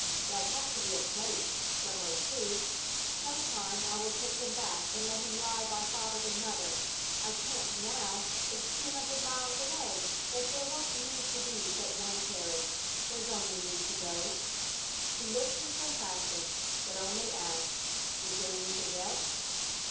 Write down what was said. There'll have to be a place somewhere, too. Some time I will take him back and let him lie by father and mother. I can't now. It's two hundred miles away. But there won't need to be but one carriage. There's only me to go." He looked his compassion, but only asked, "Is there anything else?"